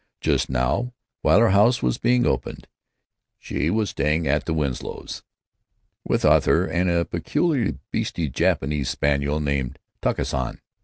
Just now, while her house was being opened, she was staying at the Winslows', with Arthur and a peculiarly beastly Japanese spaniel named Taka San.